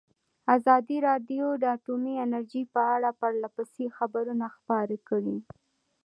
ازادي راډیو د اټومي انرژي په اړه پرله پسې خبرونه خپاره کړي.